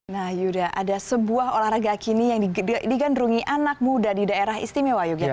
nah yuda ada sebuah olahraga kini yang digandrungi anak muda di daerah istimewa yogyakarta